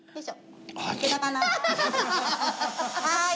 はい。